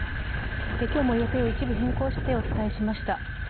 今日も予定を一部変更してお伝えしました。